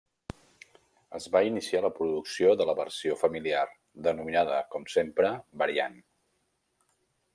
Es va iniciar la producció de la versió familiar, denominada, com sempre, Variant.